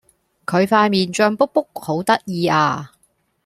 佢塊面脹畐畐好得意呀